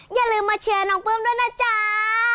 อย่าลืมมาเชียร์น้องปลื้มด้วยนะจ๊ะ